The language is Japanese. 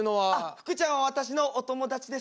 ふくちゃんは私のお友達です。